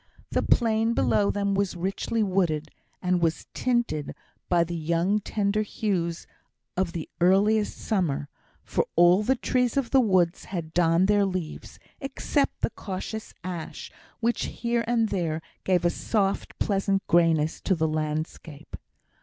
The plain below them was richly wooded, and was tinted by the young tender hues of the earliest summer, for all the trees of the wood had donned their leaves except the cautious ash, which here and there gave a soft, pleasant greyness to the landscape.